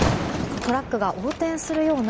トラックが横転するような